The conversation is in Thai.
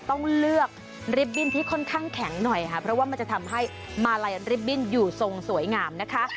ต้องเลือกริบบิ้นที่ค่อนข้างแข็งหน่อยค่ะเพราะว่ามันจะทำให้มาลัยริบบิ้นอยู่ทรงสวยงามนะคะ